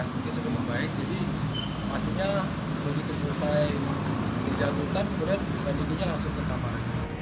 mungkin sudah membaik jadi pastinya selesai tidak lutan kemudian dan hidupnya langsung kekamaran